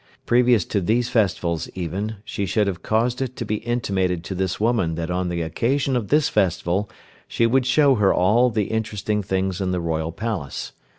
Previous to these festivals even, she should have caused it to be intimated to this woman that on the occasion of this festival she would show her all the interesting things in the royal palace.